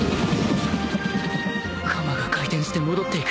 鎌が回転して戻っていく